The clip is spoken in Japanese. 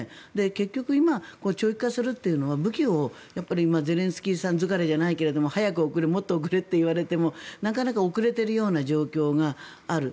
結局、今長期化するというのは武器をゼレンスキーさん疲れじゃないけれど早く送れもっと送れと言われてもなかなか遅れているような状況がある。